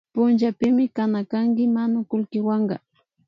Punllapimi kana kanki manukulkiwanka